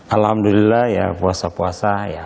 alhamdulillah ya puasa puasa ya